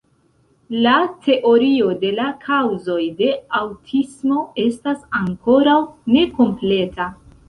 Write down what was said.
La teorio de la kaŭzoj de aŭtismo estas ankoraŭ nekompleta.